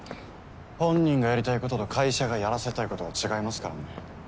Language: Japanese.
本人がやりたいことと会社がやらせたいことは違いますからね。